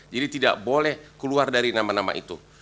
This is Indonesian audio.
jadi tidak boleh keluar dari nama nama itu